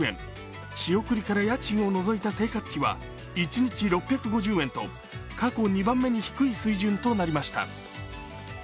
仕送りから家賃を除いた生活費は一日６５０円と過去２番目に低い水準となりました。